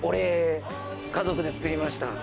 家族で作りました。